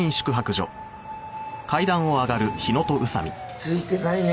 ついてないね。